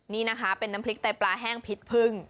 นี่นะคะเป็นน้ำพริกไตปลาแห้งพริกพึ่ง